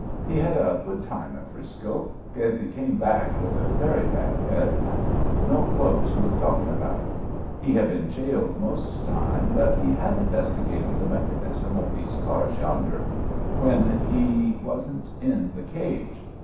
He hed a good time in 'Frisco, kase he came back with a very bad head and no clothes worth talkin' about He had been jailed most time, but he had investigated the mechanism of these cars yonder — ^when he wasn't in the cage.